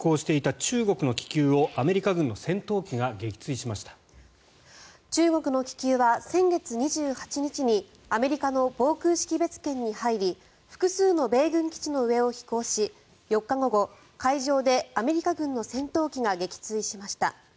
中国の気球は先月２８日にアメリカの防空識別圏に入り複数の米軍基地の上を飛行し４日午後、海上でアメリカ軍の戦闘機が撃墜しました。